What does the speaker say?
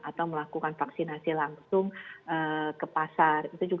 atau melakukan vaksinasi langsung ke pasar